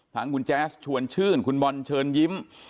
ทั้งคุณแจ๊สชวนชื่นคุณบอลเชิญยิ้ม